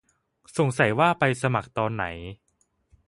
สงสัยว่าไปสมัครตอนไหน